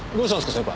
先輩。